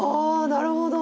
なるほど！